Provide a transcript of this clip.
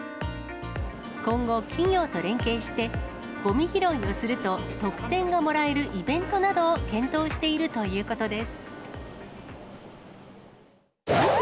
今後、企業と連携して、ごみ拾いをすると特典がもらえるイベントなどを検討しているということです。